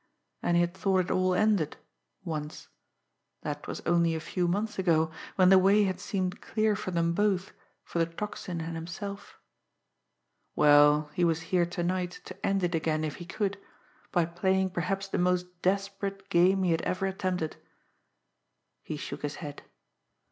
And he had thought it all ended once. That was only a few months ago, when the way had seemed clear for them both, for the Tocsin and himself. Well, he was here to night to end it again if he could by playing perhaps the most desperate game he had ever attempted. He shook his head.